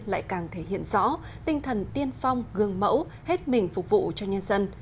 lại càng thể hiện rõ tinh thần tiên phong gương mẫu hết mình phục vụ cho nhân dân